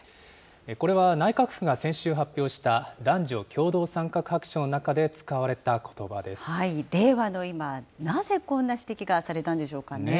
これは、内閣府が先週発表した男女共同参画白書の中で使われたことば令和の今、なぜこんな指摘がされたんでしょうかね。